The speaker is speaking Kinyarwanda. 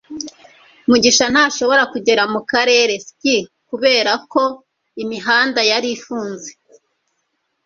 mugisha ntashobora kugera mukarere ka ski kubera ko imihanda yari ifunze